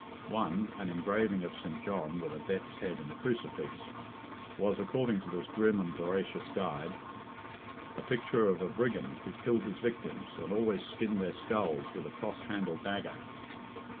One (an engraving of St. John, with a death's head and a crucifix) was, according to this grim and veracious guide, a picture of a brigand who killed his victims, and always skinned their skulls with a cross handled dagger.